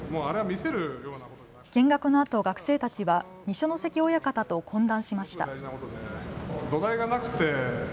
見学のあと、学生たちは二所ノ関親方と懇談しました。